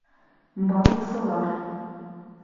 БАЛЫҠСЫЛАР